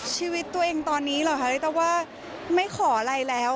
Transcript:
ชีวิตตัวเองตอนนี้หรอคะแต่ว่าไม่ขออะไรแล้ว